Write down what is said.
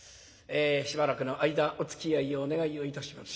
しばらくの間おつきあいをお願いをいたします。